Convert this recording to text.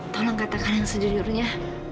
tolong katakan yang sejujurnya